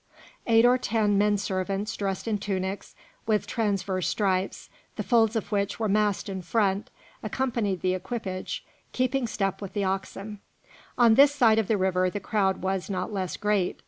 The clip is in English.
Eight or ten men servants, dressed in tunics with transverse stripes, the folds of which were massed in front, accompanied the equipage, keeping step with the oxen. On this side of the river the crowd was not less great.